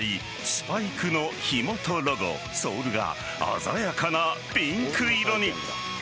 スパイクのひもとロゴ、ソールが鮮やかなピンク色に。